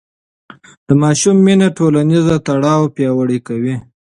د ماشوم مینه ټولنیز تړاو پیاوړی کوي.